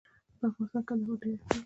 په افغانستان کې کندهار ډېر اهمیت لري.